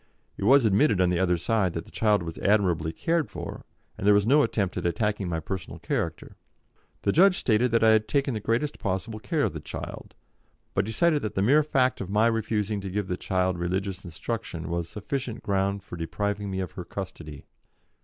It was admitted on the other side that the child was admirably cared for, and there was no attempt at attacking my personal character. The judge stated that I had taken the greatest possible care of the child, but decided that the mere fact of my refusing to give the child religious instruction was sufficient ground for depriving me of her custody.